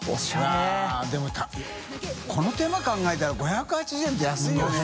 わぁでも海亮蟯考えたら５８０円って安いよね？